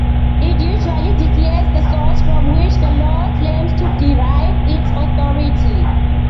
It usually declares the source from which the law claims to derive its authority.